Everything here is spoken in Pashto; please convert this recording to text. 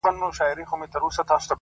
پاگل دي د غم سونډې پر سکروټو ايښي!